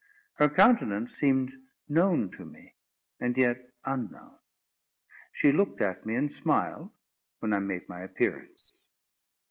Her countenance seemed known to me, and yet unknown. She looked at me and smiled, when I made my appearance.